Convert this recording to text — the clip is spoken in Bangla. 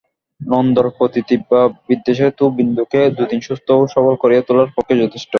নন্দর প্রতি তীব্র বিদ্বেষই তো বিন্দুকে দুদিন সুস্থ ও সবল করিয়া তোলার পক্ষে যথেষ্ট।